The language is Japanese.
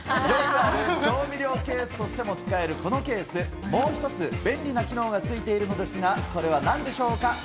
よくある調味料ケースとしても使えるこのケース、もう一つ便利な機能がついているのですが、それは何でしょうか？